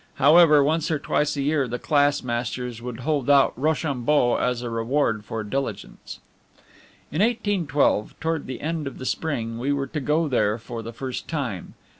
However, once or twice a year the class masters would hold out Rochambeau as a reward for diligence. In 1812, towards the end of the spring, we were to go there for the first time.